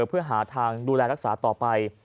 เพื่อหาทางดูแลรักษาต่อไป